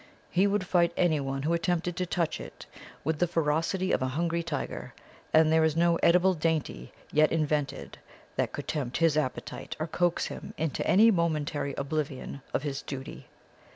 He would fight any one who attempted to touch it with the ferocity of a hungry tiger, and there is no edible dainty yet invented that could tempt his appetite or coax him into any momentary oblivion of his duty.